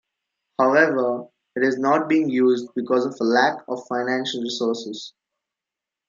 However, it is not being used because of a lack of financial resources.